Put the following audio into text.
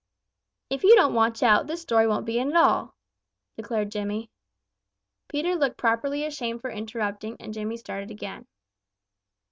"If you don't watch out, this story won't begin at all," declared Jimmy. Peter looked properly ashamed for interrupting, and Jimmy started again.